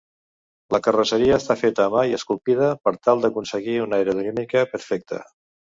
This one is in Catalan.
La carrosseria està feta a mà i esculpida per tal d'aconseguir una aerodinàmica perfecta.